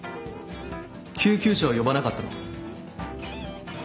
救急車を呼ばなかったのは？